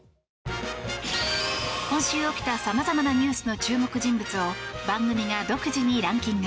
今週起きた様々なニュースの注目人物を番組が独自にランキング。